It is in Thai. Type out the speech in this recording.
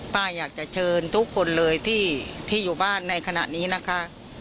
ป้าอยากจะเชิญทุกคนเลยที่อยู่บ้านในขณะนี้นะคะ